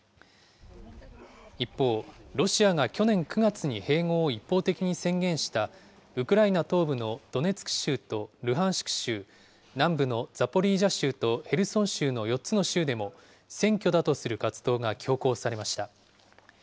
一方、ロシアが去年９月に併合を一方的に宣言した、ウクライナ東部のドネツク州とルハンシク州、南部のザポリージャ州とヘルソン州の４つの州でも、選挙だとする活動が強行されました。